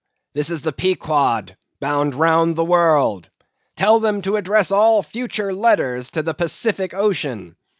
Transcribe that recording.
This is the Pequod, bound round the world! Tell them to address all future letters to the Pacific ocean!